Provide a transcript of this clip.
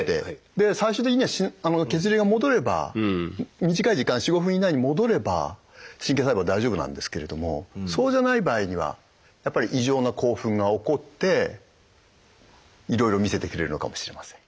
で最終的には血流が戻れば短い時間４５分以内に戻れば神経細胞は大丈夫なんですけれどもそうじゃない場合にはやっぱり異常な興奮が起こっていろいろ見せてくれるのかもしれません。